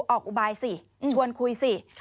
อุบายสิชวนคุยสิ